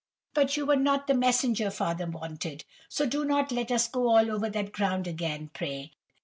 "But you were not the messenger father wanted, so do not let us go all over that ground again, pray.